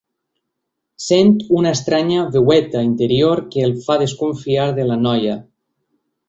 Sent una estranya veueta interior que el fa desconfiar de la noia.